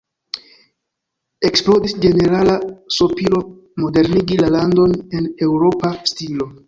Eksplodis ĝenerala sopiro modernigi la landon en eŭropa stilo.